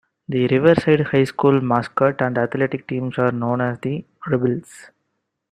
The Riverside High School mascot and athletic teams are known as "the Rebels".